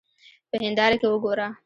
په هېنداره کې وګوره.